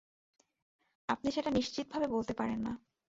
আপনি সেটা নিশ্চিতভাবে বলতে পারেন না।